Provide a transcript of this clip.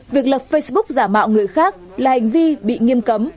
việc lập facebook giả mạo người khác là hành vi bị nghiêm cấm